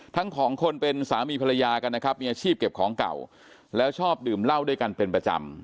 ทั้งสองคนเป็นสามีภรรยากันนะครับมีอาชีพเก็บของเก่าแล้วชอบดื่มเหล้าด้วยกันเป็นประจำ